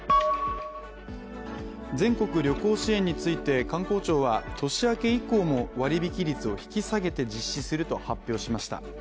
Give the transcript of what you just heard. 全国旅行支援について観光庁は年明け以降も、割引率を引き下げて実施すると発表しました。